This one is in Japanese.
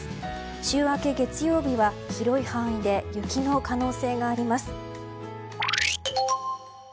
週明け月曜日は広い範囲で雪の可能性があります。